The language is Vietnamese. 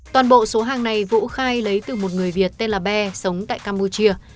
toàn bộ số hàng này vũ khai lấy từ một người việt tên là be sống tại campuchia